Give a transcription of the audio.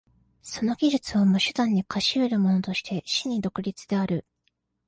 その技術をも手段に化し得るものとして真に独立である。